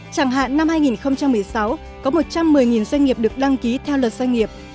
chẳng hạn năm hai nghìn một mươi sáu có một trăm một mươi doanh nghiệp được đăng ký theo luật doanh nghiệp